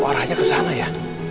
warahnya kesana ya